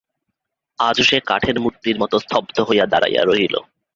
আজও সে কাঠের মূর্তির মতো স্তব্ধ হইয়া দাঁড়াইয়া রহিল।